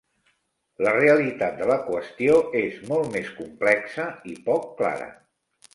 La realitat de la qüestió és molt més complexa i poc clara.